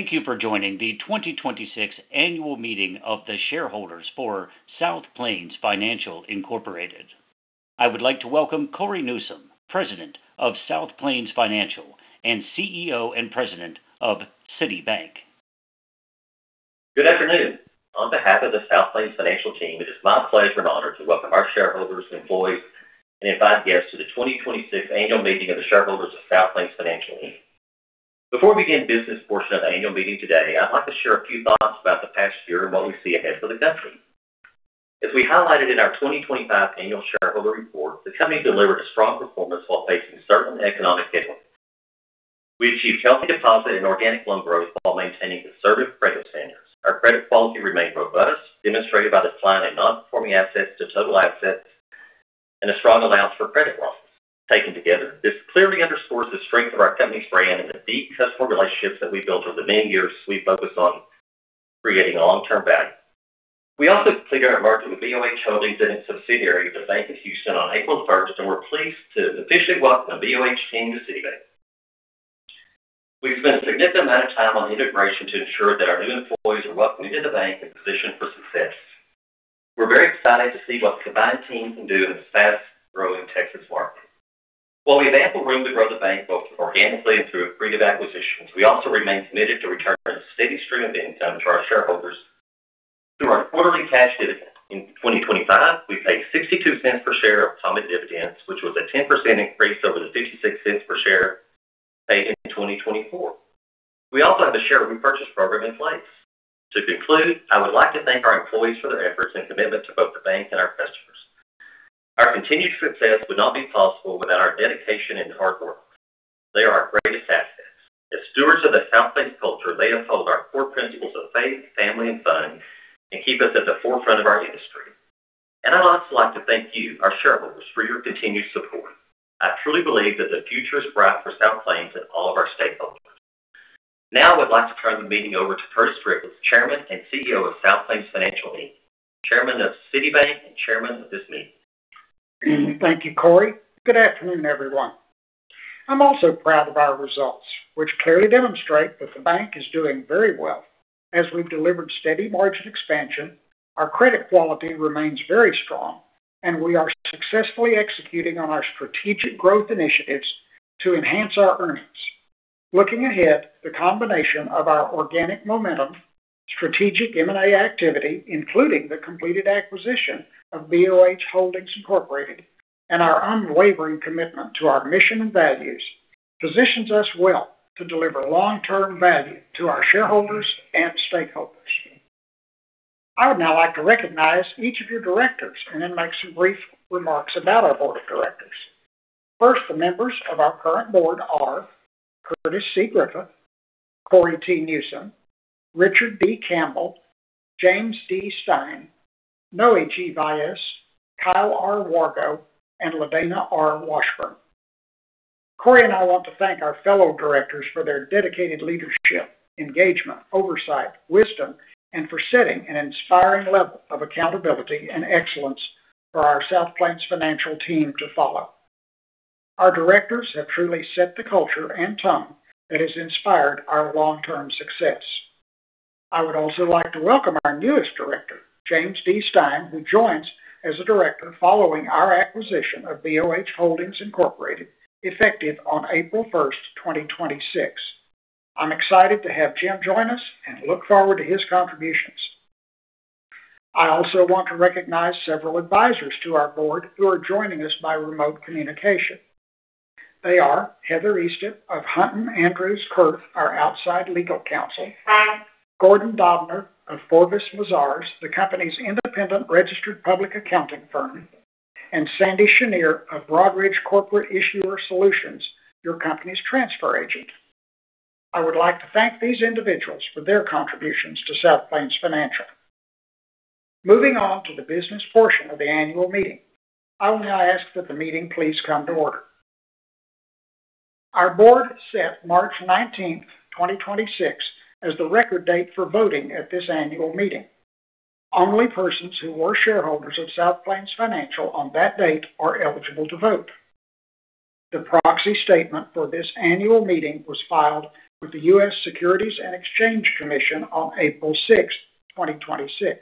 Thank you for joining the 2026 annual meeting of the shareholders for South Plains Financial Incorporated. I would like to welcome Cory Newsom, President of South Plains Financial and CEO and President of City Bank. Good afternoon. On behalf of the South Plains Financial team, it is my pleasure and honor to welcome our shareholders, employees, and invited guests to the 2026 annual meeting of the shareholders of South Plains Financial, Inc. Before we begin the business portion of the annual meeting today, I'd like to share a few thoughts about the past year and what we see ahead for the company. As we highlighted in our 2025 annual shareholder report, the company delivered a strong performance while facing certain economic headwinds. We achieved healthy deposit and organic loan growth while maintaining conservative credit standards. Our credit quality remained robust, demonstrated by decline in non-performing assets to total assets and a strong allowance for credit losses. Taken together, this clearly underscores the strength of our company's brand and the deep customer relationships that we've built over the many years we've focused on creating long-term value. We also completed our merger with BOH Holdings and its subsidiary, The Bank of Houston, on April 1st, and we're pleased to officially welcome the BOH team to City Bank. We've spent a significant amount of time on integration to ensure that our new employees are welcomed into the bank and positioned for success. We're very excited to see what the combined team can do in a fast-growing Texas market. While we have ample room to grow the bank both organically and through accretive acquisitions, we also remain committed to returning a steady stream of income to our shareholders through our quarterly cash dividend. In 2025, we paid $0.62 per share of common dividends, which was a 10% increase over the $0.56 per share paid in 2024. We also have a share repurchase program in place. To conclude, I would like to thank our employees for their efforts and commitment to both the bank and our customers. Our continued success would not be possible without our dedication and hard work. They are our greatest assets. As stewards of the South Plains culture, they uphold our core principles of faith, family, and fun and keep us at the forefront of our industry. I'd also like to thank you, our shareholders, for your continued support. I truly believe that the future is bright for South Plains and all of our stakeholders. Now I would like to turn the meeting over to Curtis Griffith, Chairman and CEO of South Plains Financial, Inc., Chairman of City Bank, and Chairman of this meeting. Thank you, Cory. Good afternoon, everyone. I'm also proud of our results, which clearly demonstrate that the bank is doing very well as we've delivered steady margin expansion, our credit quality remains very strong, and we are successfully executing on our strategic growth initiatives to enhance our earnings. Looking ahead, the combination of our organic momentum, strategic M&A activity, including the completed acquisition of BOH Holdings Incorporated, and our unwavering commitment to our mission and values positions us well to deliver long-term value to our shareholders and stakeholders. I would now like to recognize each of your directors and then make some brief remarks about our board of directors. First, the members of our current board are Curtis C. Griffith, Cory T. Newsom, Richard D. Campbell, James D. Stein, Noe G. Valles, Kyle R. Wargo, and LaDana R. Washburn. Cory and I want to thank our fellow directors for their dedicated leadership, engagement, oversight, wisdom, and for setting an inspiring level of accountability and excellence for our South Plains Financial team to follow. Our directors have truly set the culture and tone that has inspired our long-term success. I would also like to welcome our newest director, James D. Stein, who joins as a director following our acquisition of BOH Holdings Incorporated effective on April 1, 2026. I'm excited to have Jim join us and look forward to his contributions. I also want to recognize several advisors to our board who are joining us by remote communication. They are Heather Eastep of Hunton Andrews Kurth, our outside legal counsel, Gordon Dobner of Forvis Mazars, the company's independent registered public accounting firm, and Sandy Shaner of Broadridge Corporate Issuer Solutions, your company's transfer agent. I would like to thank these individuals for their contributions to South Plains Financial. Moving on to the business portion of the annual meeting, I will now ask that the meeting please come to order. Our board set March 19, 2026 as the record date for voting at this annual meeting. Only persons who were shareholders of South Plains Financial on that date are eligible to vote. The proxy statement for this annual meeting was filed with the U.S. Securities and Exchange Commission on April 6, 2026.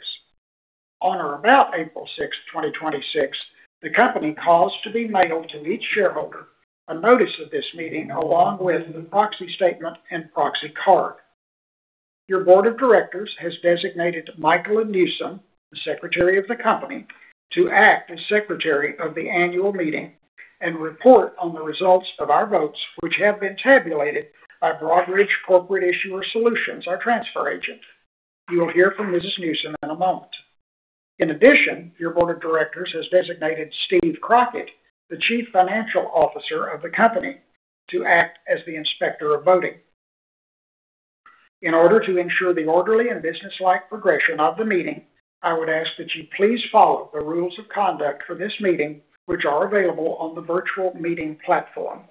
On or about April 6, 2026, the company caused to be mailed to each shareholder a notice of this meeting along with the proxy statement and proxy card. Your board of directors has designated Mikella Newsom, the Secretary of the company, to act as secretary of the annual meeting and report on the results of our votes, which have been tabulated by Broadridge Corporate Issuer Solutions, our transfer agent. You will hear from Mrs. Newsom in a moment. In addition, your board of directors has designated Steven Crockett, the Chief Financial Officer of the company, to act as the inspector of voting. In order to ensure the orderly and businesslike progression of the meeting, I would ask that you please follow the rules of conduct for this meeting, which are available on the virtual meeting platform.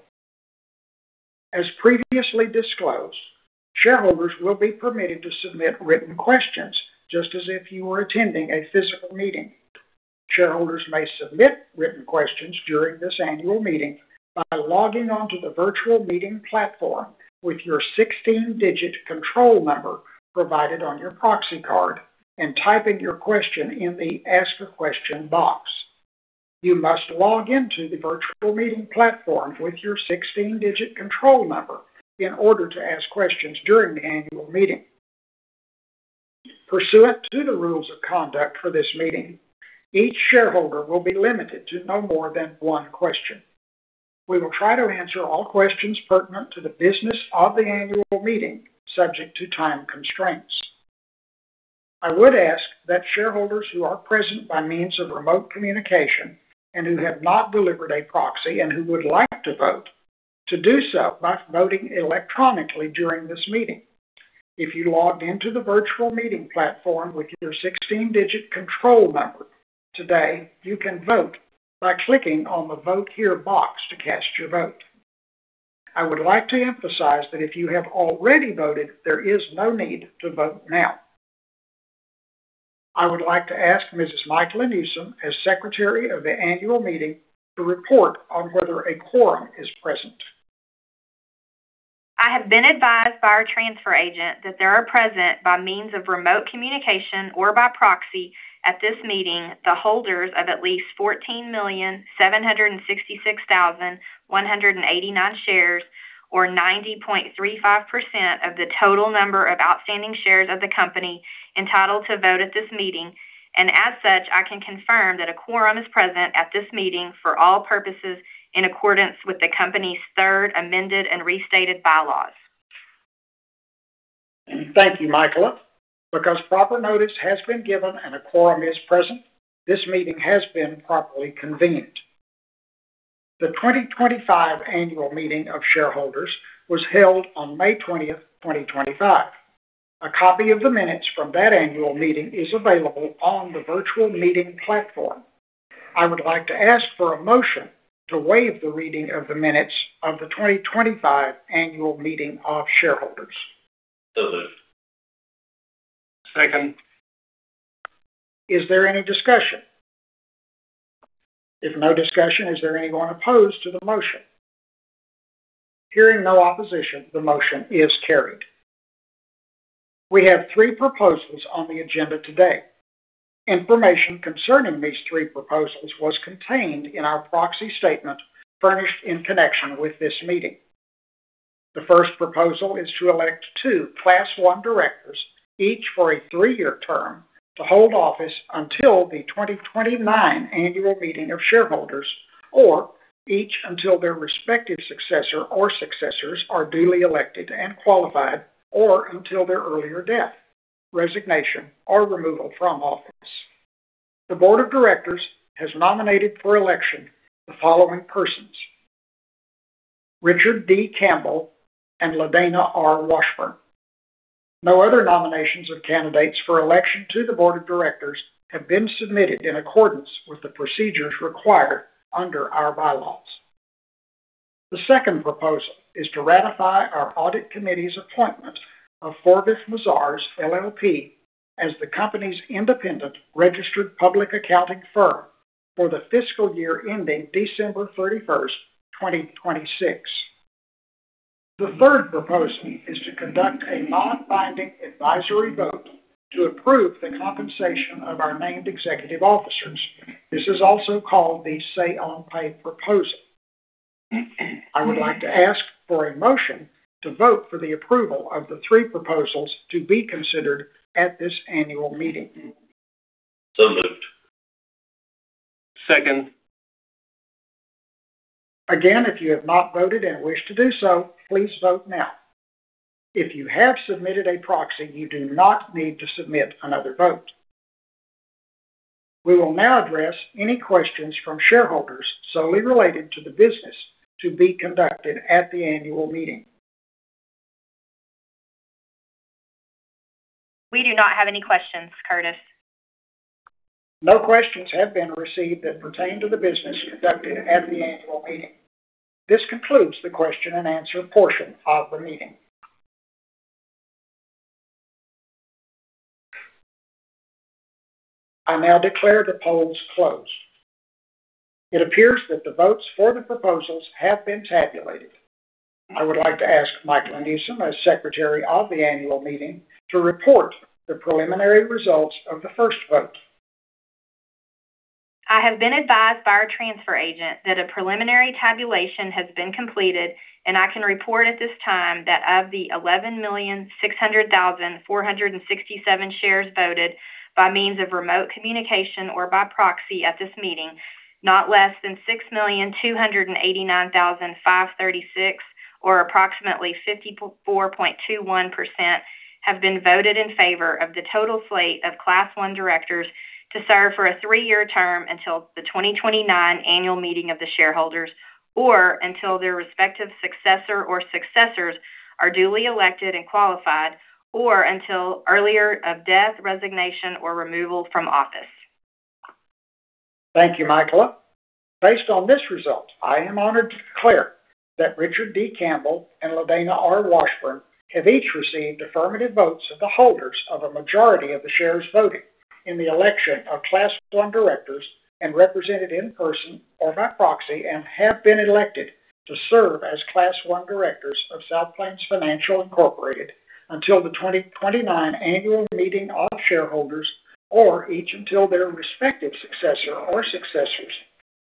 As previously disclosed, shareholders will be permitted to submit written questions just as if you were attending a physical meeting. Shareholders may submit written questions during this annual meeting by logging on to the virtual meeting platform with your 16-digit control number provided on your proxy card and typing your question in the Ask a Question box. You must log in to the virtual meeting platform with your 16-digit control number in order to ask questions during the annual meeting. Pursuant to the rules of conduct for this meeting, each shareholder will be limited to no more than one question. We will try to answer all questions pertinent to the business of the annual meeting, subject to time constraints. I would ask that shareholders who are present by means of remote communication and who have not delivered a proxy and who would like to vote to do so by voting electronically during this meeting. If you logged in to the virtual meeting platform with your 16-digit control number today, you can vote by clicking on the Vote Here box to cast your vote. I would like to emphasize that if you have already voted, there is no need to vote now. I would like to ask Mrs. Mikella Newsom, as Secretary of the annual meeting, to report on whether a quorum is present. I have been advised by our transfer agent that there are present by means of remote communication or by proxy at this meeting the holders of at least 14,766,189 shares or 90.35% of the total number of outstanding shares of the company entitled to vote at this meeting. As such, I can confirm that a quorum is present at this meeting for all purposes in accordance with the company's third amended and restated bylaws. Thank you, Mikella. Because proper notice has been given and a quorum is present, this meeting has been properly convened. The 2025 Annual Meeting of Shareholders was held on May 20th, 2025. A copy of the minutes from that annual meeting is available on the virtual meeting platform. I would like to ask for a motion to waive the reading of the minutes of the 2025 Annual Meeting of Shareholders. Moved. Second. Is there any discussion? If no discussion, is there anyone opposed to the motion? Hearing no opposition, the motion is carried. We have three proposals on the agenda today. Information concerning these three proposals was contained in our proxy statement furnished in connection with this meeting. The first proposal is to elect two Class One directors, each for a three-year term, to hold office until the 2029 Annual Meeting of Shareholders or each until their respective successor or successors are duly elected and qualified, or until their earlier death, resignation, or removal from office. The board of directors has nominated for election the following persons: Richard D. Campbell and LaDana R. Washburn. No other nominations of candidates for election to the board of directors have been submitted in accordance with the procedures required under our bylaws. The second proposal is to ratify our Audit Committee's appointment of Forvis Mazars, LLP as the company's independent registered public accounting firm for the fiscal year ending December 31st, 2026. The third proposal is to conduct a non-binding advisory vote to approve the compensation of our named executive officers. This is also called the say on pay proposal. I would like to ask for a motion to vote for the approval of the three proposals to be considered at this annual meeting. So moved. Second. If you have not voted and wish to do so, please vote now. If you have submitted a proxy, you do not need to submit another vote. We will now address any questions from shareholders solely related to the business to be conducted at the annual meeting. We do not have any questions, Curtis. No questions have been received that pertain to the business conducted at the annual meeting. This concludes the question and answer portion of the meeting. I now declare the polls closed. It appears that the votes for the proposals have been tabulated. I would like to ask Mikella Newsom, as Secretary of the annual meeting, to report the preliminary results of the first vote. I have been advised by our transfer agent that a preliminary tabulation has been completed, and I can report at this time that of the 11,600,467 shares voted by means of remote communication or by proxy at this meeting, not less than 6,289,536, or approximately 54.21%, have been voted in favor of the total slate of Class One directors to serve for a three-year term until the 2029 Annual Meeting of the shareholders or until their respective successor or successors are duly elected and qualified, or until earlier of death, resignation, or removal from office. Thank you, Mikella. Based on this result, I am honored to declare that Richard D. Campbell and LaDana R. Washburn have each received affirmative votes of the holders of a majority of the shares voting in the election of Class One directors and represented in person or by proxy, and have been elected to serve as Class One directors of South Plains Financial, Inc. until the 2029 annual meeting of shareholders, or each until their respective successor or successors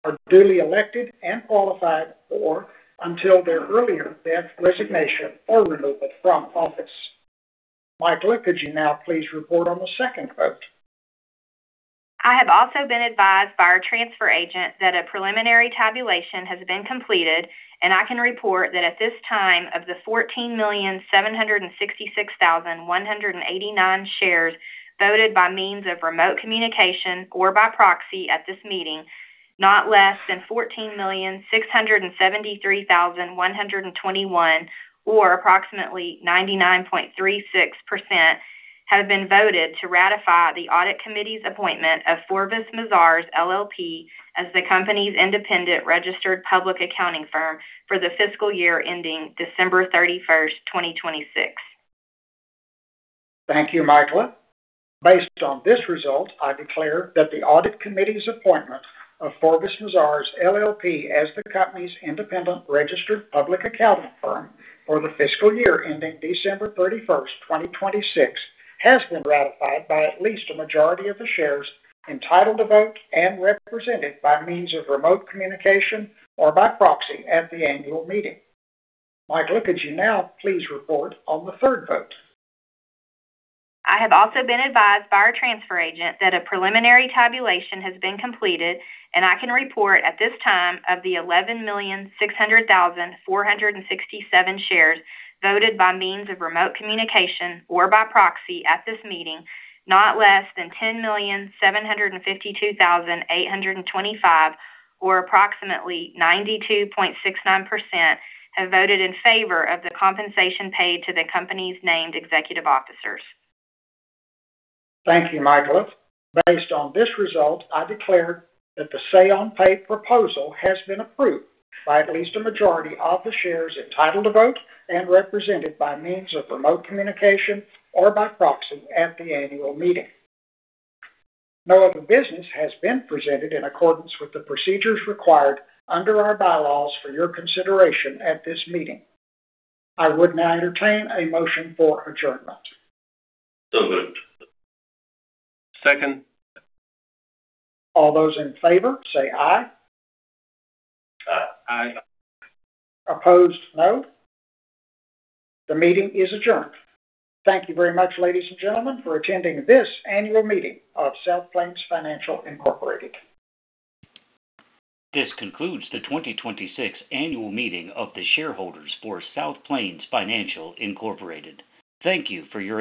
are duly elected and qualified, or until their earlier death, resignation, or removal from office. Mikella, could you now please report on the second vote? I have also been advised by our transfer agent that a preliminary tabulation has been completed, and I can report that at this time, of the 14,766,189 shares voted by means of remote communication or by proxy at this meeting, not less than 14,673,121, or approximately 99.36%, have been voted to ratify the audit committee's appointment of Forvis Mazars, LLP as the company's independent registered public accounting firm for the fiscal year ending December 31, 2026. Thank you, Mikella. Based on this result, I declare that the audit committee's appointment of Forvis Mazars, LLP as the company's independent registered public accounting firm for the fiscal year ending December 31st, 2026, has been ratified by at least a majority of the shares entitled to vote and represented by means of remote communication or by proxy at the annual meeting. Mikella, could you now please report on the third vote? I have also been advised by our transfer agent that a preliminary tabulation has been completed, and I can report at this time of the 11,600,467 shares voted by means of remote communication or by proxy at this meeting, not less than 10,752,825, or approximately 92.69%, have voted in favor of the compensation paid to the company's named executive officers. Thank you, Mikella. Based on this result, I declare that the say on pay proposal has been approved by at least a majority of the shares entitled to vote and represented by means of remote communication or by proxy at the annual meeting. No other business has been presented in accordance with the procedures required under our bylaws for your consideration at this meeting. I would now entertain a motion for adjournment. So moved. Second. All those in favor, say aye. Aye. Aye. Opposed, no. The meeting is adjourned. Thank you very much, ladies and gentlemen, for attending this annual meeting of South Plains Financial, Inc. This concludes the 2026 annual meeting of the shareholders for South Plains Financial, Inc. Thank you for your attendance